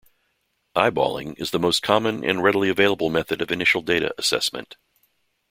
"Eyeballing" is the most common and readily available method of initial data assessment.